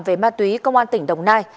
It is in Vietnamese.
về ma túy công an tỉnh đồng nai